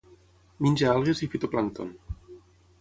Menja algues i fitoplàncton.